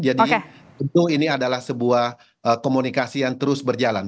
jadi betul ini adalah sebuah komunikasi yang terus berjalan